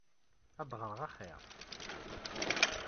Ad ɣreɣ axir.